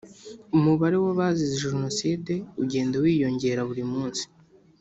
Umubare w ‘abazize Jenoside ujyenda wiyongera buri munsi.